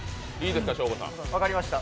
分かりました。